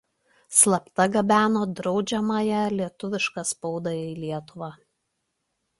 Slapta gabeno draudžiamąją lietuvišką spaudą į Lietuvą.